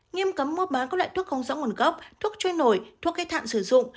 nghiêm cấm mua bán các loại thuốc không rõ nguồn gốc thuốc trôi nổi thuốc khách thạn sử dụng